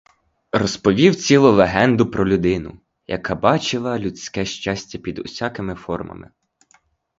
Розповів цілу легенду про людину, яка бачила людське щастя під усякими формами.